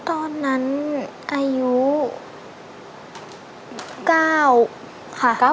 ตอนนั้นอายุ๙ค่ะ